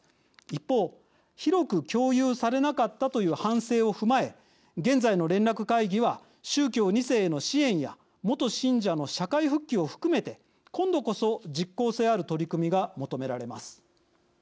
一方広く共有されなかったという反省を踏まえ現在の連絡会議は宗教２世への支援や元信者の社会復帰を含めて今度こそ実効性ある取り組みが求められます。